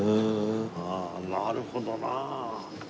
あっなるほどなあ。